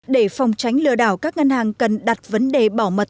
để phòng tránh lừa đảo các ngân hàng cần đặt vấn đề bảo mật